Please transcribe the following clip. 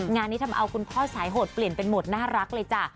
งานนี้ทำเอาคุณพ่อสายโหดเปลี่ยนเป็นหมดน่ารักเลยจ้ะ